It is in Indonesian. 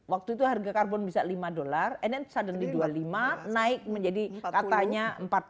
waktu itu harga karbon bisa lima dolar and sudan di dua puluh lima naik menjadi katanya empat puluh